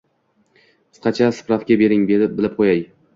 Qisqacha spravka bering, bilib qo‘yay.